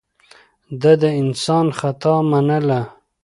ده د انسان خطا منله.